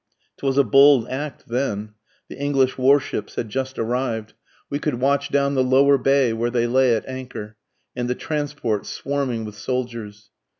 'Twas a bold act then the English war ships had just arrived, We could watch down the lower bay where they lay at anchor, And the transports swarming with soldiers.